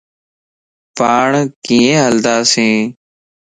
پاڻان ڪيئن ھلنداسين؟